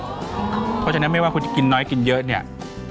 เพราะฉะนั้นไม่ว่าคุณจะกินน้อยกินเยอะเนี่ย